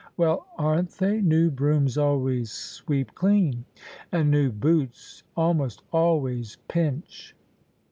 "Well, aren't they? New brooms always sweep dean." " And new boots almost always pinch."